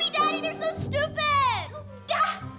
ibu ayah mereka sangat bodoh